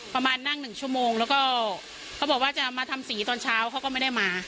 ประมาณนั่งหนึ่งชั่วโมงแล้วก็เขาบอกว่าจะมาทำสีตอนเช้าเขาก็ไม่ได้มา